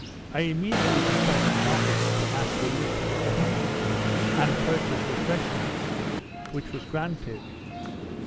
I immediately dispatched an officer to ask leave to water, and purchase refreshments, which was granted.